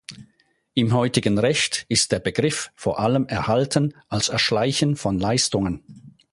Im heutigen Recht ist der Begriff vor allem erhalten als Erschleichen von Leistungen.